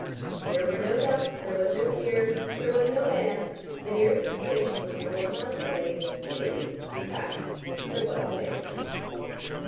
There were no duck, there was no pier, there as no band, the nearest station was four miles away; really, in fact, there wasn't anything.